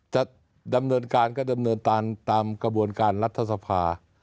จะดำเนินการก็ดำเนินการตามกระบวนการรัฐสภา